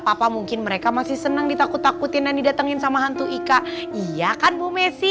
papa mungkin mereka masih senang ditakut takutin dan didatengin sama hantu ika iya kan bu messi